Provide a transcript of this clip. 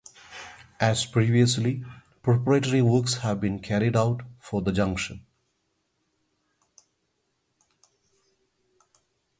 As previously, preparatory works have been carried out for the junction.